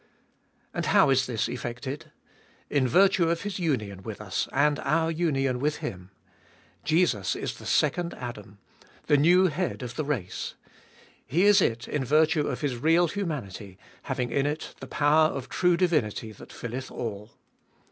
And how is this effected ?— In virtue of His union with us, and our union with Him. Jesus is the Second Adam ; the new Head of the race. He is it in virtue of His. real humanity, having in it the power of true divinity that filleth all.